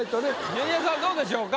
ジュニアさんどうでしょうか？